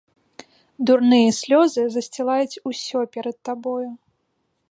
Дурныя слёзы засцілаюць усё перад табою.